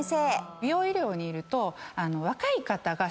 美容医療にいると。